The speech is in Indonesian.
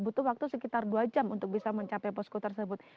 butuh waktu sekitar dua jam untuk bisa mencapai posko tersebut